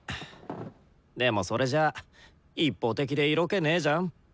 でもそれじゃあ一方的で色気ねじゃん？